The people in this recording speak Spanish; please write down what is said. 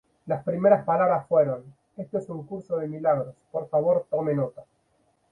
Las primeras palabras fueron: "Esto es un Curso de Milagros, por favor tome nota.